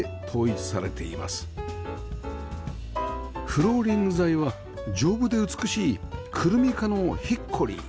フローリング材は丈夫で美しいクルミ科のヒッコリー